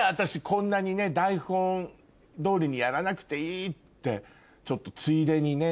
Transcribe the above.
こんなに台本通りにやらなくていいってちょっとついでにね